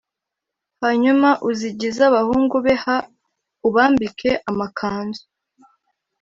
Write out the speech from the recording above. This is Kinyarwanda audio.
Hanyuma uzigize abahungu be ha ubambike amakanzu